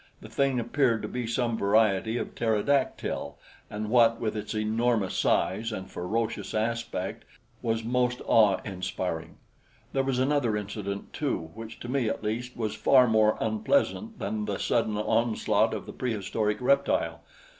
The thing appeared to be some variety of pterodactyl, and what with its enormous size and ferocious aspect was most awe inspiring. There was another incident, too, which to me at least was far more unpleasant than the sudden onslaught of the prehistoric reptile.